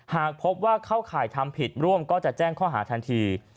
หากพบว่าเข้าข่ายทำผิดร่วมก็จะแจ้งข้อหาทันที